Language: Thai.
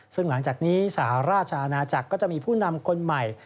ซึ่งหลังจากนี้สหราชอาณาจักรก็จะมีผู้นำคนใหม่